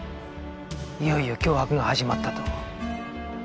いよいよ脅迫が始まったと。